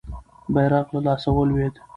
بیرغ له لاسه ولوېد.